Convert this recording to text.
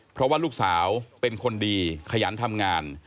เพราะว่าลูกสาวเป็นคนดีขยันทำงาน